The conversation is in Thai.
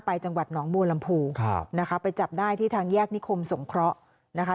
จังหวัดหนองบัวลำพูครับนะคะไปจับได้ที่ทางแยกนิคมสงเคราะห์นะคะ